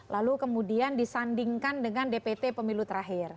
lalu kemudian disandingkan dengan dpt pemilu terakhir